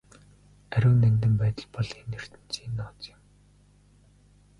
Ариун нандин байдал бол энэ ертөнцийн нууц юм.